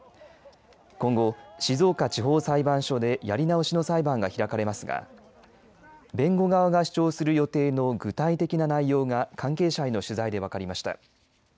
今後、静岡地方裁判所でやり直しの裁判が開かれますが弁護側が主張する予定の具体的な内容が関係者への取材で分かりました。